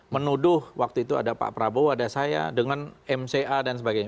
menuduh waktu itu ada pak prabowo ada saya dengan mca dan sebagainya